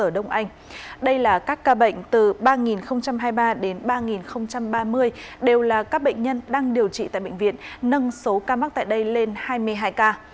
đây là các ca bệnh từ ba hai mươi ba đến ba ba mươi đều là các bệnh nhân đang điều trị tại bệnh viện nâng số ca mắc tại đây lên hai mươi hai ca